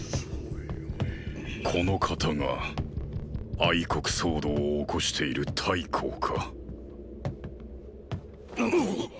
この方が国騒動を起こしている太后かっ！